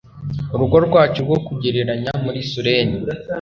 urugo rwacu rwo kugereranya muri sullen